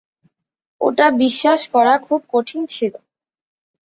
ওটা বিশ্বাস করা খুব কঠিন ছিল।